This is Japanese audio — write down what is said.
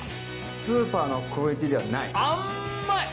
スーパーのクオリティーではない甘い！